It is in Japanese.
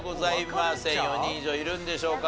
４人以上いるんでしょうか？